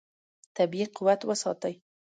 طبیعي قوت وساتئ.